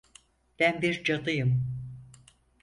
Ben bir cadıyım.